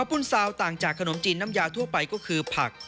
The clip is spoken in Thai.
ปุ้นซาวต่างจากขนมจีนน้ำยาทั่วไปก็คือผัก